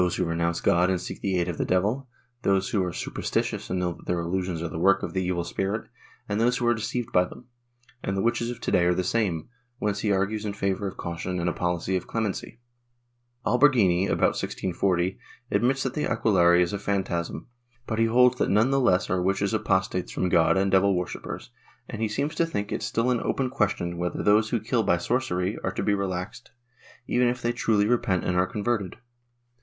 240 WITCHCRAFT [Book VIII renounce God and seek the aid of the devil, those who are super stitious and know that their iUusions are the work of the evil spirit, and those who are deceived by them— and the witches of today are the same, whence he argues in favor of caution and a policy of clemency/ Alberghini, about 1640, admits that the aquelarre is a phantasm, but he holds that none the less are witches apostates from God and devil worshippers, and he seems to think it still an open question whether those who kill by sorcery are to be relaxed, even if they truly repent and are converted.